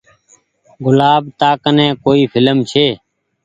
گلآب تا ڪني ڪوئي ڦلم ڇي۔